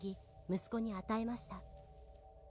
「息子に与えました」